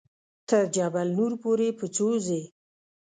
تر جبل نور پورې په څو ځې.